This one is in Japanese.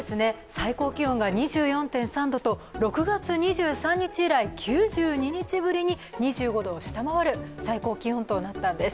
最高気温が２４．３度と６月２３日以来９２日ぶりに２５度を下回る最高気温となったんです。